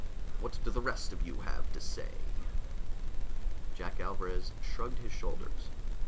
What do the rest of you have to say?" Jack Alvarez shrugged his shoulders.